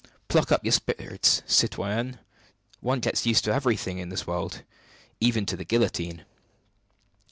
Pluck up your spirits, citoyenne! one gets used to everything in this world, even to the guillotine!"